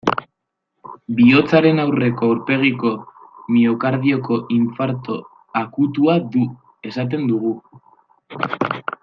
Bihotzaren aurreko aurpegiko miokardioko infartu akutua du, esaten dugu.